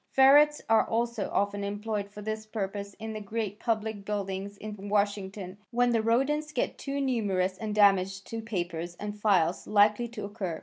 Ferrets are also often employed for this purpose in the great public buildings in Washington when the rodents get too numerous and damage to papers and files likely to occur.